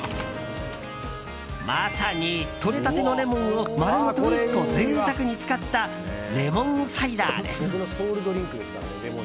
まさに、とれたてのレモンを丸ごと１個贅沢に使ったレモンサイダーです。